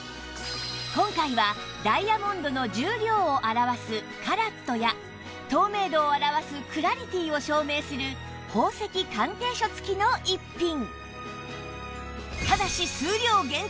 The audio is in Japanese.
今回はダイヤモンドの重量を表すカラットや透明度を表すクラリティを証明する宝石鑑定書付きの逸品